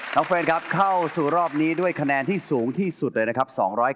แฟนครับเข้าสู่รอบนี้ด้วยคะแนนที่สูงที่สุดเลยนะครับ